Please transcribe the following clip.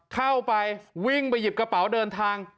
เข้าไปวิ่งไปหยิบกระเป๋าเดินทาง